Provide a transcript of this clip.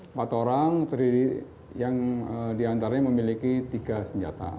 empat orang yang diantaranya memiliki tiga senjata